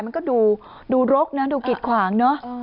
มันก็ดูโรคนะดูกีดขวาง